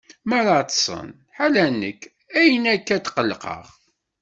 Meṛṛa ṭṭsen, ḥala nekk, ayen akka tqelqeɣ?